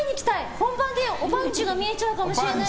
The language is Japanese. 本番でおぱんちゅが見えちゃうかもしれない。